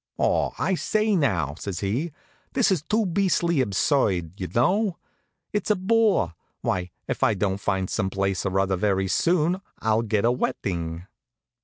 "Aw, I say now," says he, "this is too beastly absurd, y'know. It's a bore. Why, if I don't find some place or other very soon I'll get a wetting."